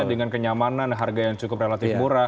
dengan kenyamanan harga yang cukup relatif murah